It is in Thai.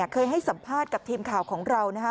เคยให้สัมภาษณ์กับทีมข่าวของเรานะคะ